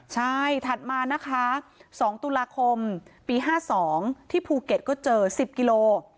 ใช่ถัดมานะคะ๒ตุลาคมปี๕๒ที่ภูเก็ตก็เจอ๑๐กิโล